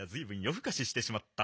ふかししてしまった。